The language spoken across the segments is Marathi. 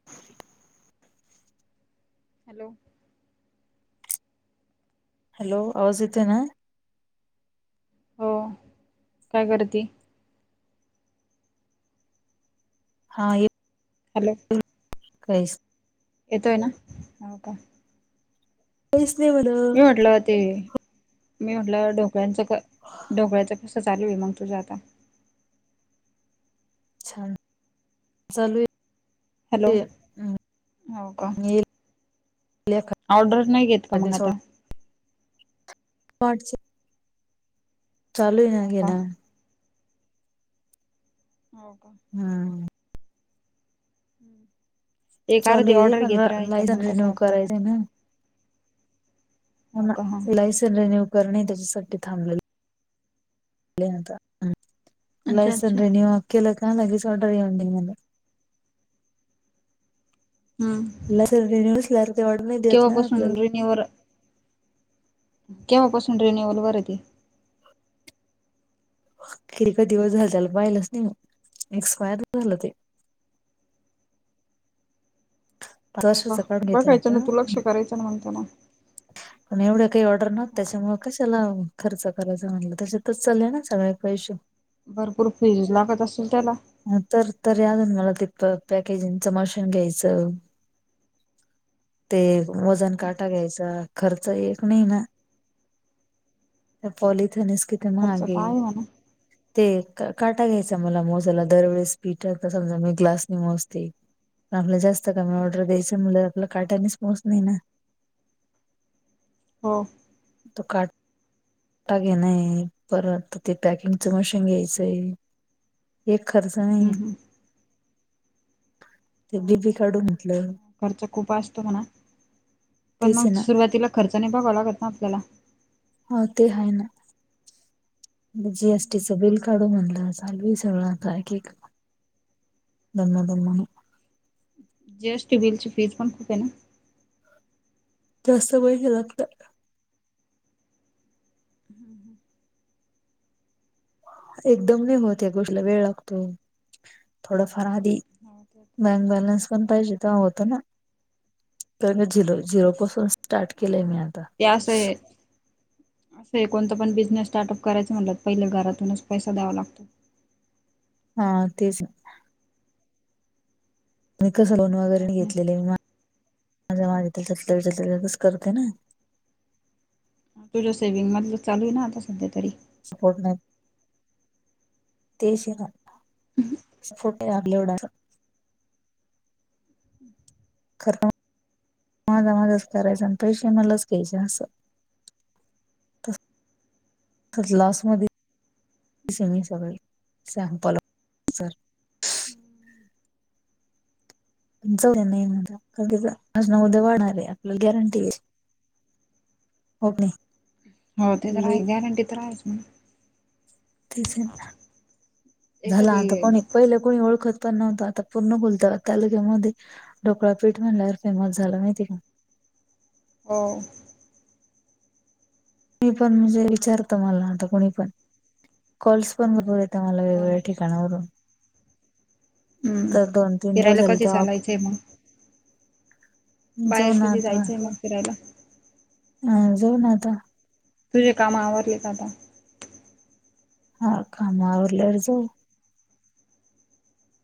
[inaudible] हॅलो. हॅलो आवाज येते ना? हो, काय करती? हा, ये हॅलो, येतोय ना? हो का. काहीच नाही बरं मी म्हटलं ते, मी म्हटलं ढोकळ्यांच -ढोकळ्याच कस तं चालू आहे मग तुझं आता. अच्छा चालू हॅलो हो का ऑर्डर नाही घेत का मग आता [unintelligible] [unintelligible] चालू आहे ना हो का घेन. हो का? हम. एक चालू अर्धी आहे ऑर्डर पण घेत राहायचं लायसन मग कसं रिन्यू आपलं पण करायचंय ना हो ना का हा इलाईस रिन्यू करणे त्याच्यासाठी थांबलेले [unintelligible] अच्छा इलाईस अच्छा आणि रिन्यू केल का लगेच ऑर्डर येऊ दे म्हणे. हम्, लायसन रिन्यू असल्यावर ते ऑर्डर नाही देत ना केव्हापासून आपल्याला रीनिवर केव्हापासून रिन्यवल वर ते? कि क दिवस झालं त्याला पाहिलंच नाही, एक्सपायर झालं ते. पाच हो का, वर्षाच काढून घेते बघायचं ना तू आता लक्ष करायचं ना म्हणतेना. पण एवढे काही ऑर्डर नव्हत्या हो त्याच्यामुळे कशा तेला खर्च करायच म्हटलं त्याच्यातच चालले ना सगळे पैसे. भरपूर फीज लागत असेल त्याला? ह तर, तरी अजून मला तिथं पॅकेजिंग चं मशीन घ्यायचं. ते वजन काटा घ्यायचा, खर्च एक नाही ना. तर पॉलिथिनच किती खर्च महाग तर ये, आहे म्हणा ते काटा घ्यायचा मला मोज ला दरवेेळेस पीठ आता समजा मी ग्लास नी मोजते. आपला जास्त कमी ऑर्डर द्यायचं म्हणल आपल्या काटानेच मोज नाही ना. हो. तो काट टा घेना ये, परत ते पॅकिंगच मशीन घ्यायचंय. एक खर्च नाही हम्म ये. हम्म खर्च खूप असतो म्हणा, पण तेच मग आहे ना सुरुवातीला खर्च नाही बघावा लागत ना आपल्याला. हो ते आहेय, जी एस टी च बिल काडू म्हणलं, झाली सगळं आता एक एक दमा दम जी एस टी बिलची फीज पण खुपे ना? जास्त पैसे हे लागतात. हम हम. एकदम नाही होत्या गोष्टीला वेळ लागतो, थोडफार आधी हो ते तर बँक आहेच बॅलन्स पण पाहिजे तेव्हा होत ना, कारण का झिरो -झिरो पासून स्टार्ट केलंय ना. मी आज. ते आस ये असं आहे कोणता पण बिझनेस स्टार्टअप करायचं म्हणलं पहिले घरातूनच पैसा द्यावा लागतो. हा तेच. मी कसं लोन वगैरे हो की नाही घेतलेले माझ्या माझ्या [unintelligible] करते ना. तुझ्या सेव्हिंग मधलं चालू आहे ना आता सध्या तरी. सपोर्ट नाही. तेस ना [inaudible] सपोर्ट नाही [unintelligible] खरं [inaudible] माझ माझच करायच आणि पैसे मलाच घ्यायच असं. त लॉस मधी मी सगळे [inaudible] सॅम्पल सर. [inaudible] पण जाऊदे म्हटल माझ आज न उद्या वाढणार आहे आपलं गॅरंटी आहे. हो कणी? हो ते तर आहेच गॅरंटी तर आहेच म्हणा. तेच [inaudible] झाला एखादी आता कोणी पहिलं कुणी ओळखत पण नव्हतं, आता पूर्ण बोलत तालुक्यामध्ये. ढोकळापीठ म्हणल्यावर फेमस झाला माहितीय काय. हा. मी पण म्हणजे विचारतं मला आता कोणी पण. कॉल्स पण बर देत मला हो ना वेगवेगळ्या ठि काणावरून [inaudible] हम्म तर दोन-तीन दिवस फिरायला झाले कधी तेव्हा चालायचंय जाऊ ना बाहेरसाठी आता जायचंय मग फिरायला. अ जाऊ ना आता. तुझे काम आवरलेेत का आता? हा कामा आल्यावर जाऊ.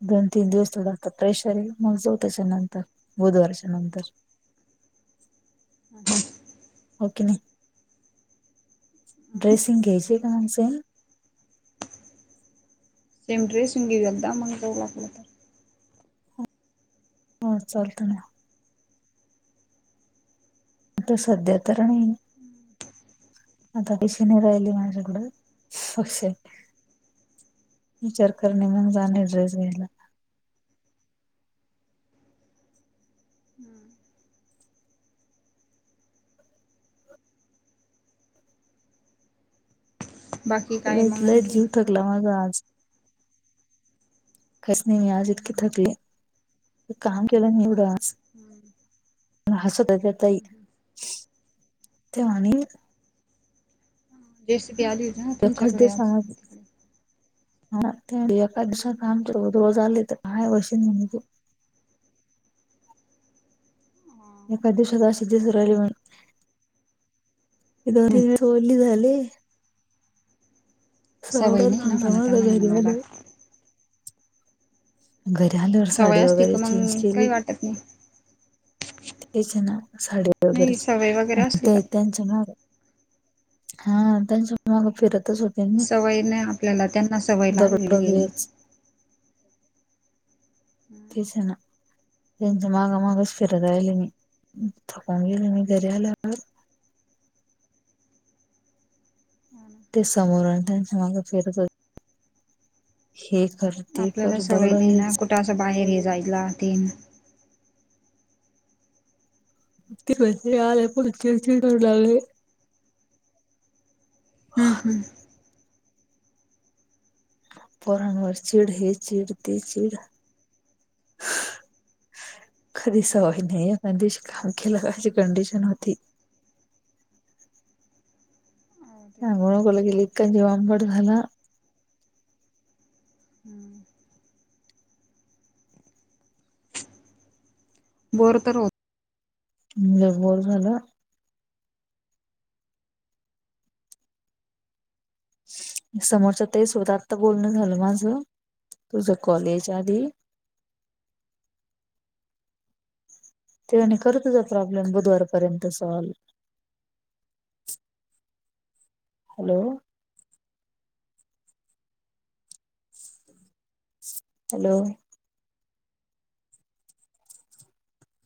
दोन-तीन दिवस थोडं आता प्रेशर ये मग जाऊ तेच्यानंतर बुधवारच्या नंतर. [inaudible] हो का नाई [inaudible] ड्रेसिंग घ्यायची कुणाच. सेम ड्रेसून घेऊ एकदा मग जाऊ ला आपलं तर. बरं चालत्या ना. ते सध्या तर नाही. आता डिशी नाही रायली माझ्याकडून सो [unintelligible] विचार करणे मग जाणे ड्रेस घ्यायला. [inaudible] बाकी काय मग वेतलय आणखी जीव थकला माझा आज. कायचं नाही मी आज इतकी थकले. काम केलं नाही एवढं आज. [inaudible] मग हसवत्या त्या ताई [inaudible] तेव्हा आणि रेसिपी आली होती ना एकच तुमच्याकडे आज? हा ते एका दिवसा काम कर रोज आले तर काय वशीनू म्हण तू. एका दिवसत सुर आले [inaudible] म्हण हम्म सली झाले [unintelligible] सवय सावळार नाही ना झालता म्हणा माझा त्यांना घरी म्हणा मला. आल्यावर घरी आल्यावर सवय साडी असती का वगैरे चेंज मग केली. काही वाटत नाही तेचे ना साडी नाही वगैरेची सवय वगैरे आणि असली का ते त्यांच ना हा त्यांच्या मग फिरतच होत. सवय नाही आपल्याला त्यांना सवय दगड लागलेलीये. वेच तेच हाय ना. त्यांचा मागा-मागस फिरत रायले मी थकून गेले मी घरी आल्यावर. ते समोर आणि त्यांच्या माग फिरत हो हे खरं आपल्याला सवय नाही ना कुठं असं बाहेर हे जायला तेन. ते वरती आले पुढचे चिडलाले. हम्म ह. पोरांवर चिड, हे चिड ते चिड. कधी सवय नाही, पण तशी काम केलं कशी कंडिशन होती. हो ते ह तर मुळक [unintelligible] गेली जीव आंबड झाला. हम्म. बोर तर हो म्हणजे बोर झालं. समोरच्या ते स्वतः आता बोलणं झालं माझं तुझं कॉल यायच्या आधी. तेनी करतच प्रॉब्लेम बुधवारपर्यंत सॉल्व. हॅलो. हॅलो.